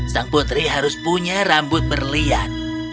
sang putri harus punya rambut berlian